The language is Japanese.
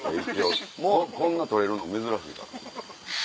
こんな撮れるの珍しいから。